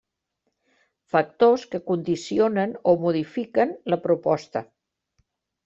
Factors que condicionen o modifiquen la proposta.